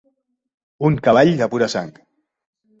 Un cavall de pura sang.